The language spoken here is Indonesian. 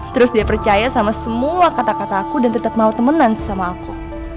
terus dia percaya sama semua kata kata aku dan tetap mau temenan sama aku